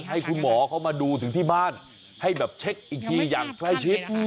ให้คุณหมอเขามาดูถึงที่บ้านให้แบบเช็คอีกทีอย่างใกล้ชิด